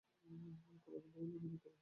পুরানো ডৌলে নিমন্ত্রণ ত্যাগ করিবে।